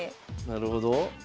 なるほど。